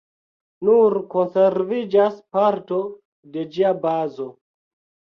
Nur konserviĝas parto de ĝia bazo.